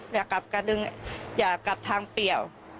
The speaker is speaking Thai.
อยากกลับกระดึงอย่ากลับทางเปลี่ยว